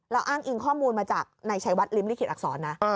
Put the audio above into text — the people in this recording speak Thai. อ้างอิงข้อมูลมาจากนายชัยวัดริมลิขิตอักษรนะ